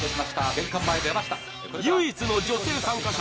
玄関前出ました唯一の女性参加者